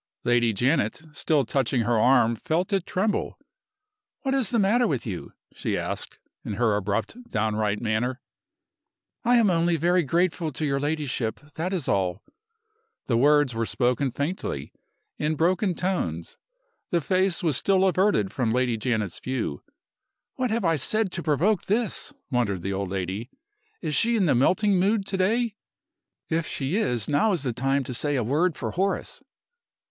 Lady Janet, still touching her arm, felt it tremble. "What is the matter with you?" she asked, in her abrupt, downright manner. "I am only very grateful to your ladyship that is all." The words were spoken faintly, in broken tones. The face was still averted from Lady Janet's view. "What have I said to provoke this?" wondered the old lady. "Is she in the melting mood to day? If she is, now is the time to say a word for Horace!"